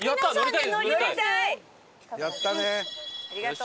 やったね。